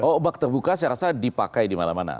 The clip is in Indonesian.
oh bak terbuka saya rasa dipakai di mana mana